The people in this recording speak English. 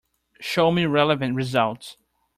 Show me relevant results.